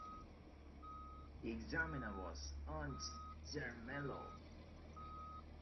The examiner was Ernst Zermelo.